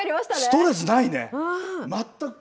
ストレスないね。